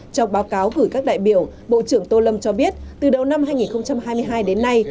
trong báo cáo gửi các đại biểu bộ trưởng tô lâm cho biết từ đầu năm hai nghìn hai mươi hai đến nay